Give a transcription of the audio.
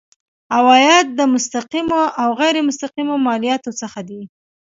عواید د مستقیمو او غیر مستقیمو مالیاتو څخه دي.